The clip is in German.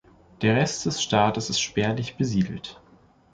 Der Rest des Staates ist spärlich besiedelt.